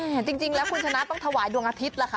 จริงแล้วคุณชนะต้องถวายดวงอาทิตย์ล่ะค่ะ